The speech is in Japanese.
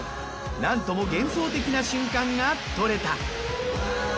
なんとも幻想的な瞬間が撮れた。